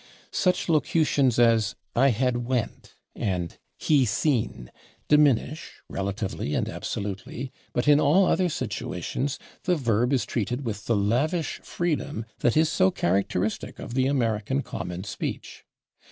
Such locutions as /I had went/ and /he seen/ diminish relatively and absolutely, but in all other situations the verb is treated with the lavish freedom that is so characteristic of the American common speech.